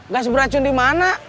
gas beracun di mana